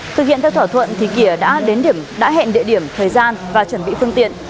thực hiện theo thỏa thuận thì kỷa đã hẹn địa điểm thời gian và chuẩn bị phương tiện